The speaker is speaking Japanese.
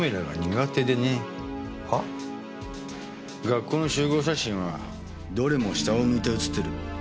学校の集合写真はどれも下を向いて写ってる。